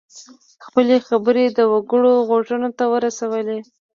خپلې خبرې د وګړو غوږونو ته ورسولې.